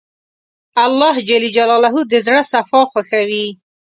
الله د زړه صفا خوښوي.